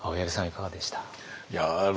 いかがでした？